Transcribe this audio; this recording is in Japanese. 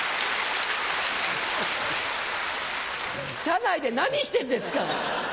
車内で何してんですか！